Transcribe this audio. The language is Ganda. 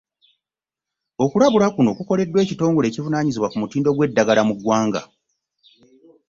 Okulabula kuno kukoleddwa ekitongole ekivunaanyizibwa ku mutindo gw'eddagala mu ggwanga